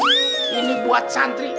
ini buat santri